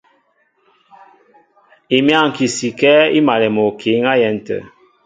Imyáŋki sikɛ́ í malɛ mɔ okǐ á yɛ́n tə̂.